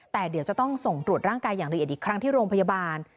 แต่เดี๋ยวจะต้องส่งตรวจร่างกายอย่างละเอียดอีกครั้งที่โรงพยาบาล